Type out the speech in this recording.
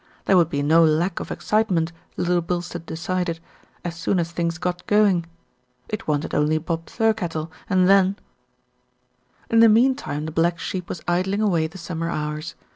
There would be no lack of excite ment, Little Bilstead decided, as soon as things got going. It wanted only Bob Thirkettle and then In the meantime the black sheep was idling away the summer hours.